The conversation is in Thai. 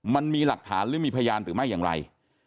มันมีหลักฐานหรือมีพยานหรือไม่อย่างไร